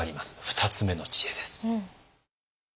２つ目の知恵です。